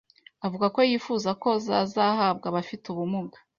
avuga ko yifuza ko zazahabwa abafite ubumuga